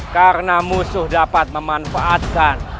karena musuh dapat memanfaatkan